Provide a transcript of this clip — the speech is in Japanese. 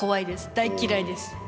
大っ嫌いです。